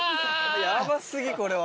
ヤバ過ぎこれは！